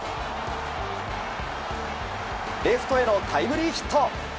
レフトへのタイムリーヒット。